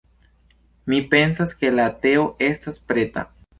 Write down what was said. Mi pensas, ke la teo estas preta?